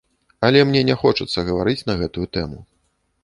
Але мне не хочацца гаварыць на гэтую тэму.